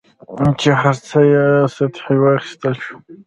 چې هر څه یې سطحي واخیستل شول.